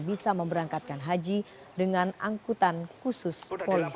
bisa memberangkatkan haji dengan angkutan khusus polisi